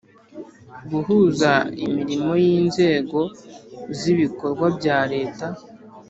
Guhuza Imirimo y inzego z ibikorwa bya leta